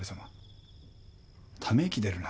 ため息出るな。